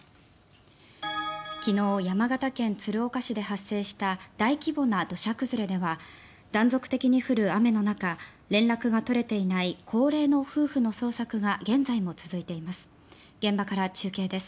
昨日、山形県鶴岡市で発生した大規模な土砂崩れでは断続的に降る雨の中連絡が取れていない高齢の夫婦の捜索が現在も続いています。